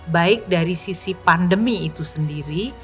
baik dari sisi pandemi itu sendiri